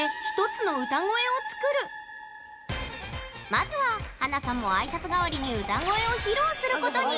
まずは華さんもあいさつがわりに歌声を披露することに。